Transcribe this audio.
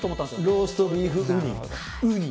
ローストビーフ、ウニ。